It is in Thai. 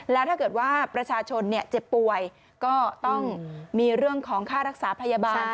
แล้วถ้าเกิดว่าประชาชนเจ็บป่วยก็ต้องมีเรื่องของค่ารักษาพยาบาล